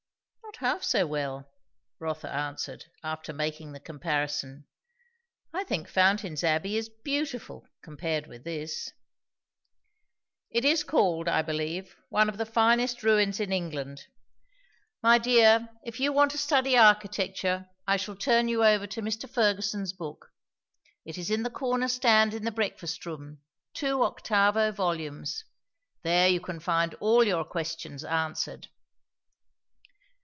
"Not half so well," Rotha answered, after making the comparison. "I think Fountain's Abbey is beautiful, compared with this." "It is called, I believe, one of the finest ruins in England. My dear, if you want to study architecture, I shall turn you over to Mr. Fergusson's book. It is in the corner stand in the breakfast room two octavo volumes. There you can find all your questions answered."